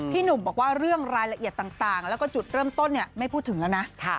หนุ่มบอกว่าเรื่องรายละเอียดต่างแล้วก็จุดเริ่มต้นไม่พูดถึงแล้วนะ